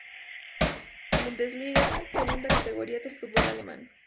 Bundesliga, segunda categoría del fútbol alemán.